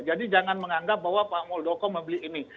jadi jangan menganggap bahwa pak muldoko membeli ini